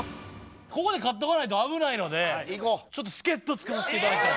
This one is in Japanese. ここで勝っとかないと危ないのでちょっと助っ人使わせて頂きたい。